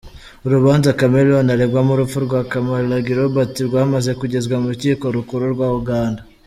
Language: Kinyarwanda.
Urubanza Chameleone aregwamo urupfu rwa Kalamagi Robert rwamaze kugezwa mu rukiko rukuru rwa Uganda.